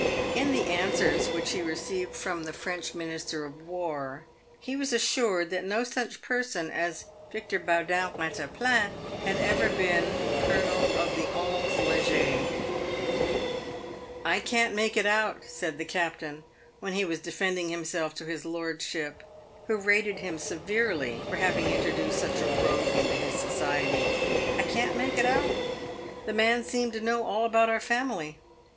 In the answers which he received from the French Minister of "War, he was assured that no such person as Victor Baudin Eattaplan had ever been colonel of the 1 l e Leger. PAVED WITH GOLD. 229 " I can't make it out," said the captain, when he was defending himself to his lordship, who rated him severely for having introduced such a rogue into his society —" I can't make it out. The man seemed to know all about our family.